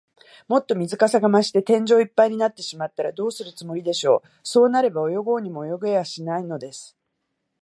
もっと水かさが増して、天井いっぱいになってしまったら、どうするつもりでしょう。そうなれば、泳ごうにも泳げはしないのです。